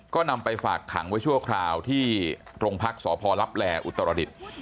ก็นำไปฝากขังไว้ชั่วคราวที่โรงพักษ์สอบพอร์รับแลอ์อุตรฤด